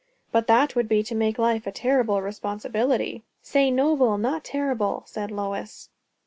'" "But that would be to make life a terrible responsibility." "Say noble not terrible!" said Lois.